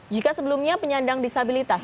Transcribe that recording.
jika sebelumnya penyandang disabilitas